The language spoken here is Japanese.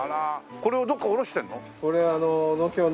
これをどこかに卸してるの？